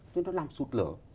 thế nó làm sụt lửa